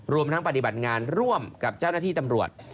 รวมทั้งปฏิบัติงานร่วมกับเจ้าหน้าที่ตำรวจ